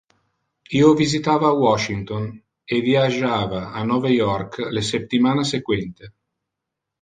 Io visitava Washington e viagiava a Nove York le septimana sequente.